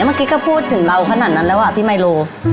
เมื่อกี้ก็พูดถึงเราขนาดนั้นแล้วอ่ะพี่ไมโล